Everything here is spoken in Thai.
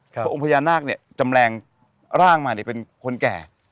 เพราะองค์พญานาคเนี่ยจำแรงร่างมาเนี่ยเป็นคนแก่